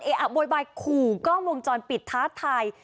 อะโวยวายขู่กล้องวงจรปิดท้าทาย